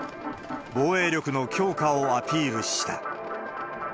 防衛力の強化をアピールした。